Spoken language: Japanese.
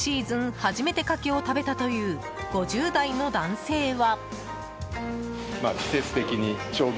初めてカキを食べたという５０代の男性は。